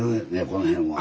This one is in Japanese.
この辺は。